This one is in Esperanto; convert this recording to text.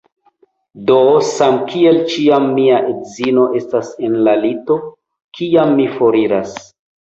Do, samkiel ĉiam mia edzino estas en la lito, kiam mi foriras